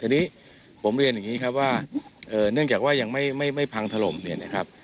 ทีนี้ผมเรียนอย่างนี้ครับว่าเนื่องจากว่ายังไม่พังถล่มเนี่ยนะครับ